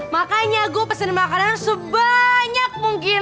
makanya gue pesen makanan sebanyak mungkin